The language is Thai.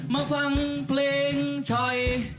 มาฟังเพลงช่อย